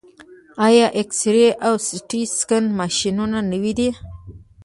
آیا اکسرې او سټي سکن ماشینونه نوي دي؟